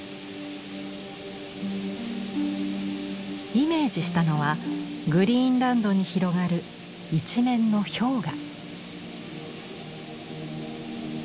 イメージしたのはグリーンランドに広がる一面の氷河。